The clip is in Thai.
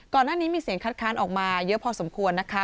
ก่อนหน้านี้มีเสียงคัดค้านออกมาเยอะพอสมควรนะคะ